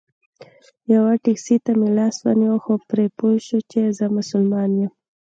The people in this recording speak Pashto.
یوه ټیکسي ته مې لاس ونیو خو پوی شو چې زه مسلمان یم.